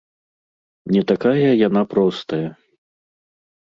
Не такая яна простая!